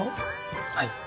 はい。